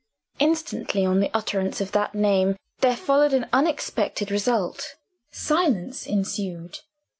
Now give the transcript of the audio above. Instantly on the utterance of that name, there followed an unexpected result. Silence ensued.